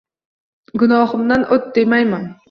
Gunohimdan o’t demayman